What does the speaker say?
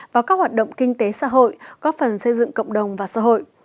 vào các hoạt động kinh tế xã hội góp phần xây dựng cộng đồng và xã hội